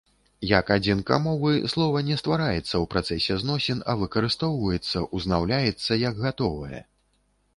Як адзінка мовы, слова не ствараецца ў працэсе зносін, а выкарыстоўваецца, узнаўляецца як гатовае.